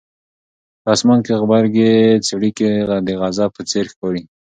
په اسمان کې غبرګې څړیکې د غضب په څېر ښکاري.